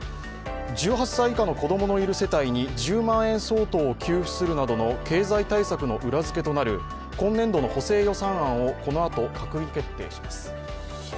１８歳以下の子供のいる世帯に１０万円相当を給付するなどの経済対策の裏付けとなる今年度の補正予算案をこのあと閣議決定します。